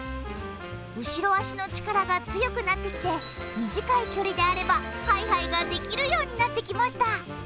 後ろ足の力が強くなってきて短い距離であればハイハイができるようになってきました。